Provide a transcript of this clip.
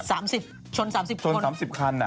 สามสิบชนสามสิบคันชนสามสิบคันอ่ะ